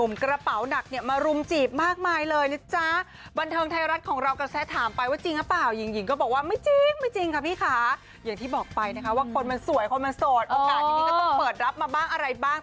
ว่าคนมันสวยคนมันโสดโอกาสที่นี่ก็ต้องเปิดรับมาบ้างอะไรบ้าง